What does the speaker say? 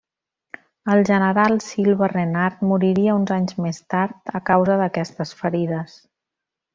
El general Silva Renard moriria uns anys més tard a causa d'aquestes ferides.